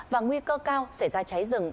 và nguy cơ cao sẽ ra cháy rừng